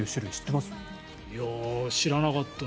いや、知らなかった。